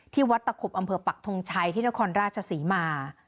วัดตะขุบอำเภอปักทงชัยที่นครราชศรีมา